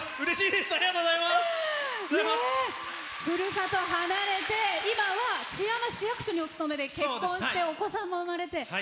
ふるさと離れて今は津山市役所にお勤めして結婚してお子さんも生まれて。